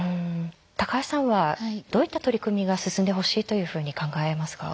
高橋さんはどういった取り組みが進んでほしいというふうに考えますか？